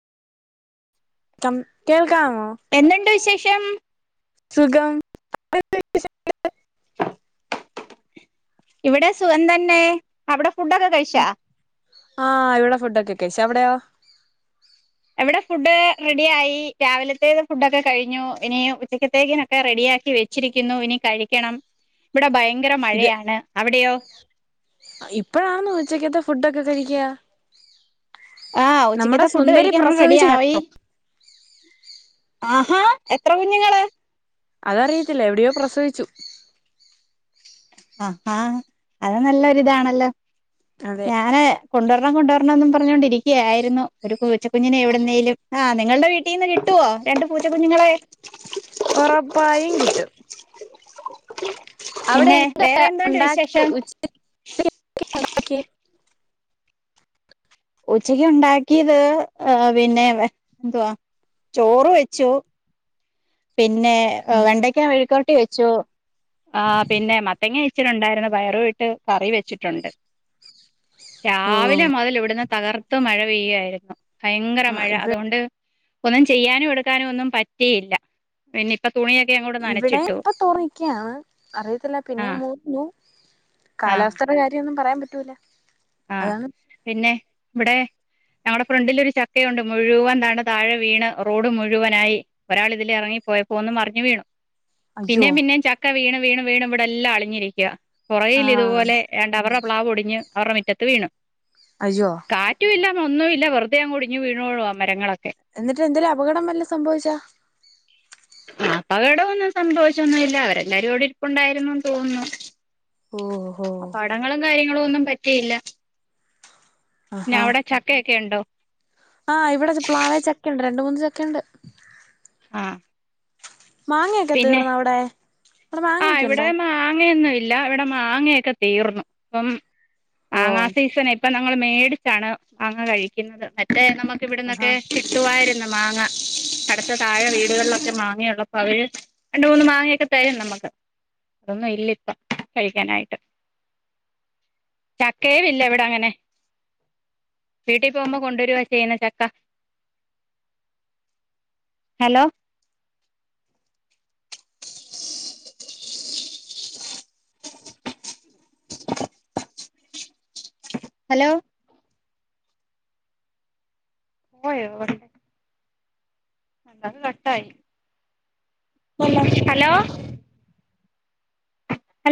പ്പം കേക്കാമോ? എന്തൊണ്ടു വിശേഷം? സുഖം. ഇവിടെ സുഖം തന്നെ. അവിടെ ഫുഡൊക്കെ കഴിച്ചോ? ആ ഇവിടെ ഫുഡൊക്കെ കഴിച്ച്. അവിടെയോ? ഇവിടെ ഫുഡ് റെഡി ആയി. രാവിലത്തേത് ഫുഡൊക്കെ കഴിഞ്ഞു. ഇനീ ഉച്ചക്കത്തേക്കിന് ഒക്കെ റെഡിയാക്കി വെച്ചിരിക്കുന്നു, ഇനി കഴിക്കണം. ഇവിടെ ഭയങ്കര മഴയാണ്. അവിടെയോ? ഇപ്പഴാന്നോ ഉച്ചക്കത്തെ ഫുഡൊക്കെ കഴിക്കുക? ആ നമ്മുടെ ഉച്ചക്കത്തെ ഫുഡ് സുന്ദരി കഴിക്കാനായി പ്രസവിച്ചു കെ റെഡിയായി ആഹാ എത്ര കുഞ്ഞുങ്ങള്? അതറിയത്തില്ല, എവിടെയോ പ്രസവിച്ചു. അഹ് ആഹ് അത് നല്ലൊരിതാണല്ലോ അതെ ഞാന് കൊണ്ടുവരണം കൊണ്ടുവരണോന്നും പറഞ്ഞോണ്ടിരിക്ക്യായായിരുന്നു ഒരു പൂച്ചക്കുഞ്ഞിനെ എവിടുന്നേലും, ആഹ് നിങ്ങളുടെ വീ ട്ടീന്ന് കിട്ടുവോ രണ്ട് പൂച്ചക്കുഞ്ഞുങ്ങളെ? ഒറപ്പായും കിട്ടും. അവടെ പിന്നെ എന്താ വേറെ എന്തുണ്ട് വിശേഷം ഉണ്ടാക്കിയേ [inaudible] ഉച്ചക്ക് ഉണ്ടാക്കിയത് ഏഹ് പിന്നെ എന്തുവാ ചോറ് വെച്ചു. പിന്നെ ഏഹ് വെണ്ടയ്ക്ക മെഴുക്കുവരട്ടി വെച്ചു ആഹ് പിന്നെ മത്തങ്ങ [unintelligible] വെച്ചിട്ടുണ്ടായിരുന്നു പയറും ഇട്ട് കറി വെച്ചിട്ടുണ്ട്. ഓ രാവിലെ മുതല് ഇവിടുന്ന് തകർത്ത മഴ പെയ്യായിരുന്നു, ഭയങ്കര ആഹ് മഴ ഇവ അതുകൊണ്ട് ഒന്നും ചെയ്യാനും എടുക്കാനും ഒന്നും പറ്റിയില്ല. പിന്ന ഇപ്പ തുണിയൊക്കെ അങ്ങോ ഇവിടെ ഇപ്പൊ തോറന്നിക്കയാണ് അറിയത്തില്ല ആ പിന്നേം മൂ ന്നു ആ കാലാവസ്ഥയുടെ കാര്യൊന്നും പറയാൻ പറ്റൂല ആ അതാണ് പിന്നെ ഇവിടെ ഞങ്ങടെ ഫ്രണ്ടിലൊരു ചക്കയുണ്ട് മുഴുവൻ താണ് താഴെ വീണ് റോഡ് മുഴുവനായി ഒരാളിതിലേ എറങ്ങി പോയപ്പോന്ന് മറിഞ്ഞു വീണു അയ്യോ പിന്നെയും പിന്നെയും ച ക്ക വീണ് വീണ് വീണ് ഇവിടെ എല്ലാം അളിഞ്ഞിരിക്കാ, പൊറകിൽ ആഹ് ഇതുപോലെ രണ്ട് അവരുടെ പ്ലാവ് ഒടിഞ്ഞ് അവർടെ മി റ്റത്ത് വീണു അയ്യോ കാറ്റും ഇല്ല, ഒന്നും ഇല്ല, വെറുതെ അങ്ങ് ഒടിഞ്ഞ് വീണോ [unintelligible] മരങ്ങളൊക്കെ എന്നിട്ട് എന്തേലും അപകടം വെല്ലോം സംഭവിച്ചാ? അപകടൊന്നും സംഭവിച്ചൊന്നും ഇല്ല അവരെല്ലാരും അവടെ ഇരിപ്പുണ്ടായിരുന്നുന്ന് തോന്നുന്നു. ഓഹോ അപടകടങ്ങളും കാര്യങ്ങളും ഒന്നും പറ്റിയില്ല ആഹാ പിന്നാവടെ ചക്കയൊക്കെ ഉണ്ടോ? ആഹ് ഇവിടെ പ്ലാവേ ചക്കയുണ്ട് രണ്ട് മൂന്ന് ചക്കയുണ്ട്. ആഹ് മാങ്ങയൊക്കെ പിന്നെ തീർന്നോ അവിടെ അവിടെ ആഹ് മാങ്ങയൊക്കെ ഇവിടെ ഉണ്ടാ? മാങ്ങയൊന്നും ഇല്ല ഇവടെ മാങ്ങയൊക്കെ തീർന്നു ഇപ്പം മാങ്ങാ ഓഹ് സീസൺ ഇ ഇപ്പൊ നങ്ങള് മേടിച്ചാണ് മാങ്ങ കഴിക്കുന്നത്, മറ്റേ നമുക്ക് ഇവിടന്നൊക്കെ ആഹാ കി കിട്ടുവായിരുന്നു മാങ്ങ അടുത്ത് താഴെ വീടുകളിലൊക്കെ മാങ്ങയുള്ളപ്പോ അവര് രണ്ട് മൂന്ന് മാങ്ങയൊക്കെ തെരും നമുക്ക്, അതൊന്നും ഇല്ല ഇപ്പ കഴിക്കാനായിട്ട് ചക്കയുവില്ല ഇവടെ അങ്ങനെ വീട്ടിൽ പോവുമ്പോ കൊണ്ടുവരുവാ ചെയ്യുന്നേ ചക്ക ഹലോ ഹലോ പോയോ അവര് അല്ല അത് കട്ടായി [inaudible] ഹലോ